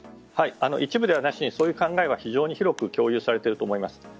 一部ではなしにそういう考えは非常に広く共有されていると思います。